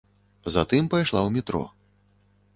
Затым пайшла ў метро.